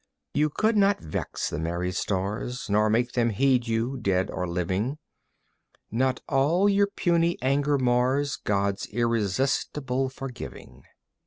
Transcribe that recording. You could not vex the merry stars Nor make them heed you, dead or living. Not all your puny anger mars God's irresistible forgiving.